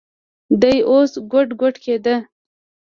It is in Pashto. دى اوس ګوډ ګوډ کېده.